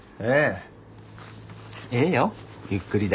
ええよゆっくりで。